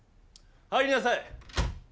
入りなさい。